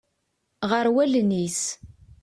Ɣer wallen-is.